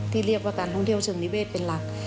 เรียกว่าการท่องเที่ยวเชิงนิเวศเป็นหลัก